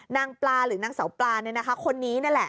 นางปลาหรือนางสาวปลาเนี่ยนะคะคนนี้นั่นแหละ